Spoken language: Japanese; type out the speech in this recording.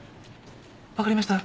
分かりました